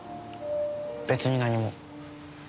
別に何も。